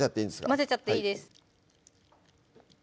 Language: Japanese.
混ぜちゃっていいです